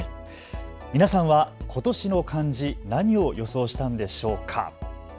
皆さんは今年の漢字、何を予想したんでしょうか。